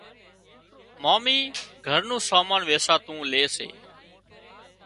مامي گھر نُون سامان ويساتو لي سي